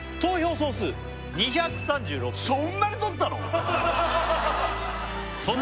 そんなに取ったの？